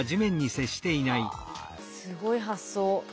はあすごい発想。